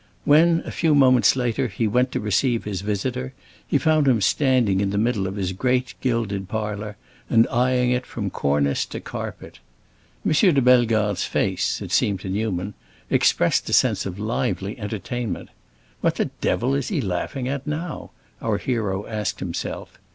When, a few moments later, he went to receive his visitor, he found him standing in the middle of his great gilded parlor and eying it from cornice to carpet. M. de Bellegarde's face, it seemed to Newman, expressed a sense of lively entertainment. "What the devil is he laughing at now?" our hero asked himself.